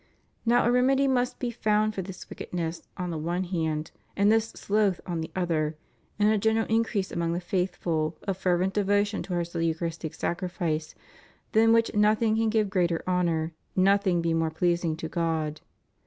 Now a remedy must be found for this wickedness on the one hand, and this sloth on the other, in a general increase among the faithful of fervent devotion towards the Eucharistic Sacrifice, than which nothing can give greater honor, nothing be more pleasing, to God.